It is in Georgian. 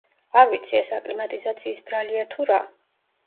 არ ვიცი ეს აკლიმატიზაციის ბრალია თუ რა.